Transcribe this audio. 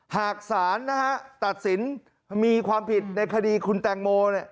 หากศาลตัดสินมีความผิดในคดีคุณแตงโม